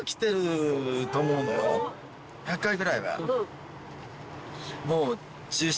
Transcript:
１００回ぐらいは。